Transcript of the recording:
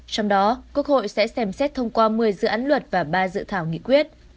trong đó quốc hội sẽ xem xét thông qua một mươi dự án luật và ba dự thảo nghị quyết